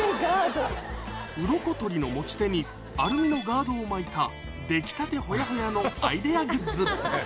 ウロコ取りの持ち手にアルミのガードを巻いた出来たてほやほやのアイデアグッズ